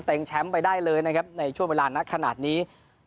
แชมป์ไปได้เลยนะครับในช่วงเวลานักขนาดนี้